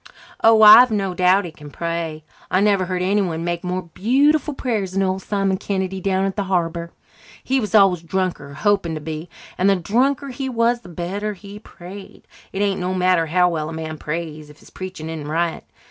"Oh, I've no doubt he can pray. I never heard anyone make more beautiful prayers than old Simon Kennedy down at the harbour, who was always drunk or hoping to be and the drunker he was the better he prayed. It ain't no matter how well a man prays if his preaching isn't right.